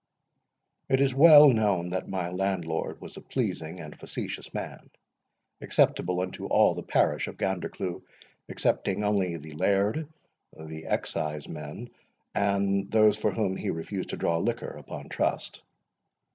It is well known that my Landlord was a pleasing and a facetious man, acceptable unto all the parish of Gandercleugh, excepting only the Laird, the Exciseman, and those for whom he refused to draw liquor upon trust.